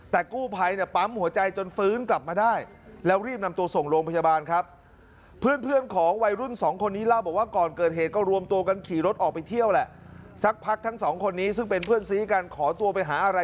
แต่กู้ไพรปั๊มหัวใจจนฟื้นกลับมาได้แล้วรีบนำตัวส่งโรงพยาบาลครับ